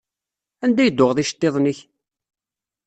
Anda i d-tuɣeḍ iceṭṭiḍen-ik?